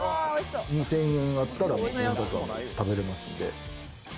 ２０００円あったら、それだけ食べれますんで。